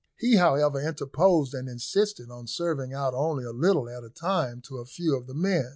He, however, interposed, and insisted on serving out only a little at a time to a few of the men.